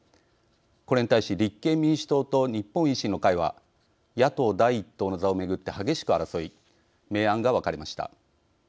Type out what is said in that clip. これに対し立憲民主党と日本維新の会は野党第１党の座を巡って激しく争い、明暗が分かれました。